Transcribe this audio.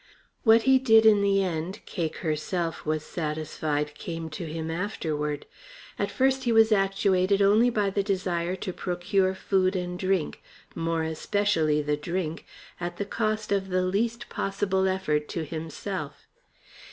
What he did in the end, Cake herself was satisfied came to him afterward. At first he was actuated only by the desire to procure food and drink more especially the drink at the cost of the least possible effort to himself.